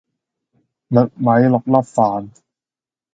栗米六粒飯